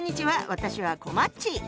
私はこまっち。